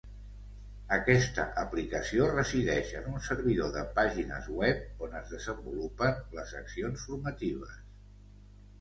Aquesta aplicació resideix en un servidor de pàgines web on es desenvolupen les accions formatives.